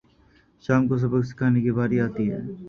شام کو سبق سکھانے کی باری آتی ہے